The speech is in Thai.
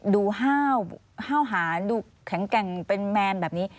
ดูห้าวหาดูแข็งเป็นแมนแบบนี้